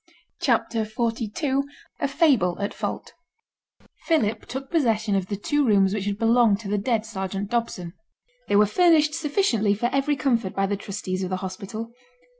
CHAPTER XLII A FABLE AT FAULT Philip took possession of the two rooms which had belonged to the dead Sergeant Dobson. They were furnished sufficiently for every comfort by the trustees of the hospital.